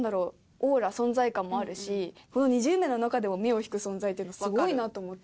オーラ存在感もあるしこの２０名の中でも目を引く存在っていうのはすごいなと思って。